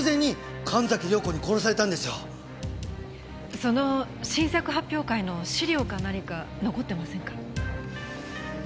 その新作発表会の資料か何か残ってませんか？